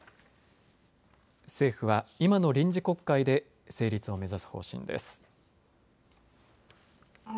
政府は今の臨時国会で成立を目指す方針です。